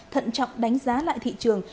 thận trọng đánh giá lại thị trường